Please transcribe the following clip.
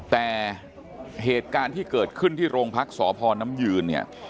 แต่เหตุการณ์ที่เกิดขึ้นที่โรงพรรคสอพอน้ำยืน